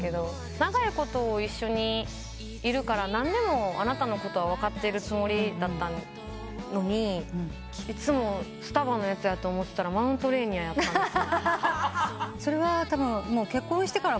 長いこと一緒にいるから何でもあなたのことは分かってるつもりだったのにいつもスタバのやつやと思ってたらマウントレーニアやったんですよ。